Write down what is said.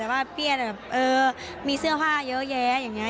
แต่ว่าเปี้ยนแบบเออมีเสื้อผ้าเยอะแยะอย่างนี้